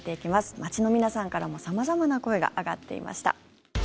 街の皆さんからも様々な声が上がっていました。